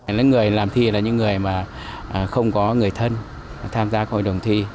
những người làm thi là những người mà không có người thân tham gia hội đồng thi